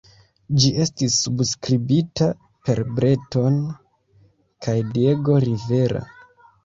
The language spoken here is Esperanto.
Ĝi estis subskribita per Breton kaj Diego Rivera.